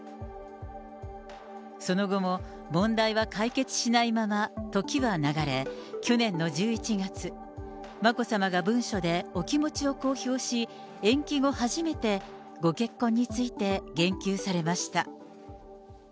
その後も問題は解決しないまま時は流れ、去年の１１月、眞子さまが文書でお気持ちを公表し、延期後、初めてご結婚について言及されました。